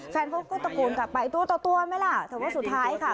แฟนเขาก็ตะโกนกลับไปตัวต่อตัวไหมล่ะแต่ว่าสุดท้ายค่ะ